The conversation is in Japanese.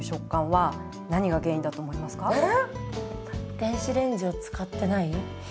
⁉電子レンジを使ってない？